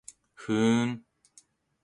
ふーん